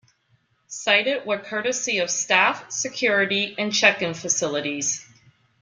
Cited were courtesy of staff, security, and check-in facilities.